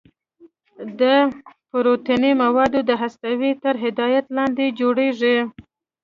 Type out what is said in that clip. دا پروتیني مواد د هستې تر هدایت لاندې جوړیږي.